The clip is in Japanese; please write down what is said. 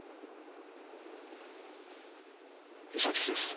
伊佐吉です。